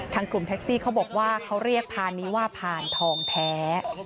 กลุ่มแท็กซี่เขาบอกว่าเขาเรียกพานนี้ว่าพานทองแท้